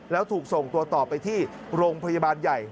แล้วถูกส่งตัวต่อไปที่โรงพยาบาลใหญ่